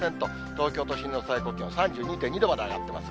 東京都心の最高気温３２．２度まで上がってます。